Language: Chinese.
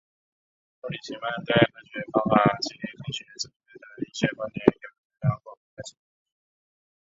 布里奇曼对科学方法及科学哲学的一些观点有相当广泛的着述。